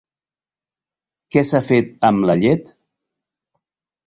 Què s'ha fet amb la llet?